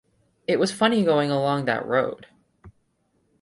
It was funny going along that road.